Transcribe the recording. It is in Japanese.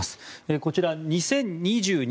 こちら２０２２